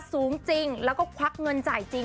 สูงจริงแล้วก็ควักเงินจ่ายจริง